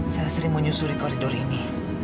saya sering menyusuri koridor ini